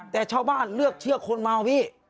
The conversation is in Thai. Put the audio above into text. แต่ชาวบ้านเลือกเชื่อคนเมาพี่